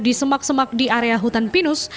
di semak semak di area hutan pinus